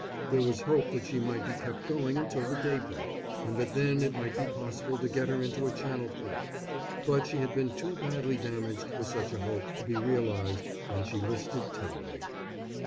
There was hope that she might be kept going until the day broke, and that then it might be possible to get her into a Channel port; but she had been too badly damaged for such a hope to be realised and she listed terribly.